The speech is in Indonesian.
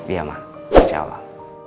iya ma insya allah